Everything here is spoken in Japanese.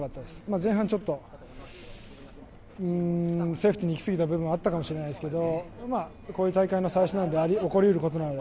前半、ちょっとセーフティーにいき過ぎた部分はあったと思うんですけどこういう大会の最初なので起こり得ることなので。